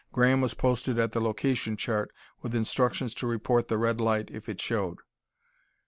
Graham was posted at the location chart, with instructions to report the red light if it showed.